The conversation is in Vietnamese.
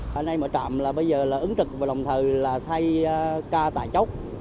hôm nay mở trạm bây giờ ứng trực và đồng thời thay ca tài chốc